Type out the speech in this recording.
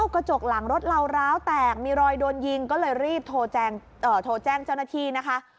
กระจกหลังรถเราร้าวแตกมีรอยโดนยิงก็เลยรีบโทรแจ้งเจ้าหน้าที่นะคะ